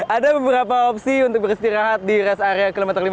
ada beberapa opsi untuk beristirahat di rest area lima puluh tujuh